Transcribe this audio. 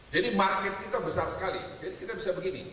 jadi market kita besar sekali jadi kita bisa begini